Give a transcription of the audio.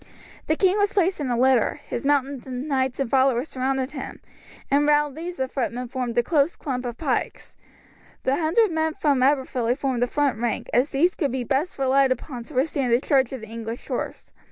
The king was placed in a litter, his mounted knights and followers surrounded him, and round these the footmen formed a close clump of pikes; the hundred men from Aberfilly formed the front rank, as these could be best relied upon to withstand the charge of the English horse.